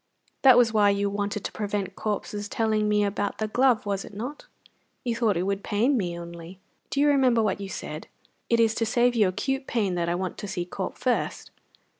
That was why you wanted to prevent Corp's telling me about the glove, was it not? You thought it would pain me only! Do you remember what you said: 'It is to save you acute pain that I want to see Corp first'?"